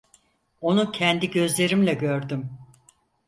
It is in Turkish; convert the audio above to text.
Onu kendi gözlerimle gördüm.